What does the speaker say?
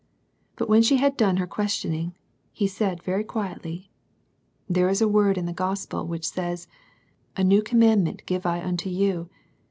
But when she had done her questioning, he said very quietly, " There is a word in the Gospel, which says, *A new commandment give I unto you.